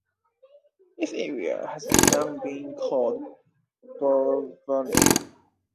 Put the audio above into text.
This area has long been called Bull Valley.